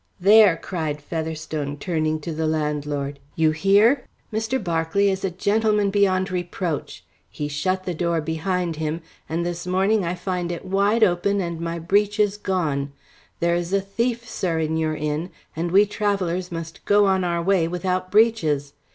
"There!" cried Featherstone turning to the landlord. "You hear? Mr. Berkeley is a gentleman beyond reproach. He shut the door behind him, and this morning I find it wide open and my breeches gone. There is a thief, sir, in your inn, and we travellers must go on our way without breeches.